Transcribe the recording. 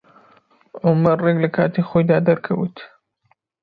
عومەر ڕێک لە کاتی خۆیدا دەرکەوت.